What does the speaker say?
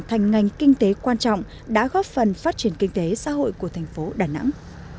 thành ngành kinh tế quan trọng đã góp phần phát triển kinh tế xã hội của thành phố đà nẵng